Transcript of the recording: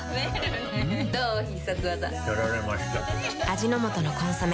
味の素の「コンソメ」